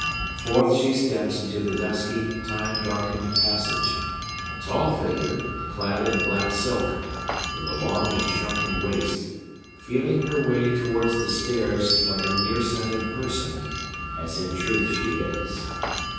Forth she steps into the dusky, time darkened passage; a tall figure, clad in black silk, with a long and shrunken waist, feeling her way towards the stairs like a near sighted person, as in truth she is.